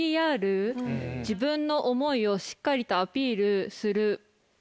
自分の思いをしっかりとアピールするポイント。